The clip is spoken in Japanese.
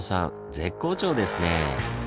絶好調ですねぇ。